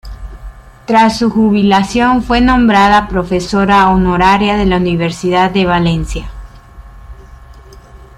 Tras su jubilación fue nombrada profesora honoraria de la Universidad de Valencia.